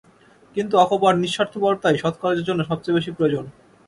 কিন্তু অকপট নিঃস্বার্থপরতাই সৎকার্যের জন্য সবচেয়ে বেশী প্রয়োজন।